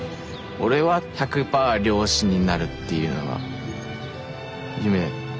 俺は１００パー漁師になるっていうのが夢。